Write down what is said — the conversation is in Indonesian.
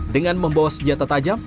dengan membawa senjata tajam